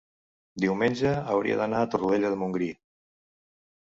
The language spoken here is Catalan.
diumenge hauria d'anar a Torroella de Montgrí.